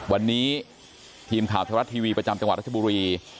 วันนี้ทีมข่าวไทยรัฐทีวีประจำจังหวัดรัชบุรี